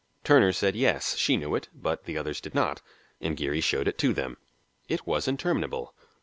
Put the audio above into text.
Turner said yes, she knew it, but the others did not, and Geary showed it to them. It was interminable.